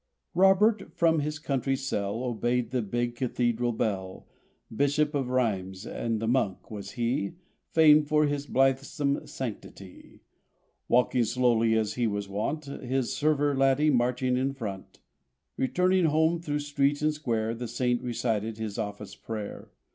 R IGOBERT from his country cell Obeyed the big cathedral bell: Bishop of Rheims, and monk, was he, Famed for his blithesome sanctity. Walking slowly as he was wont. His server laddie marching in front. Returning home through street and square The Saint recited his office prayer.